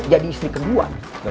jadi istri kedua